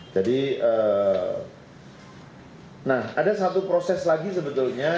jadi nah ada satu proses lagi sebetulnya